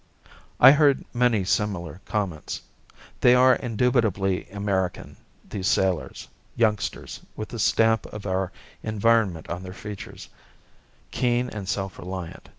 I heard many similar comments. They are indubitably American, these sailors, youngsters with the stamp of our environment on their features, keen and self reliant.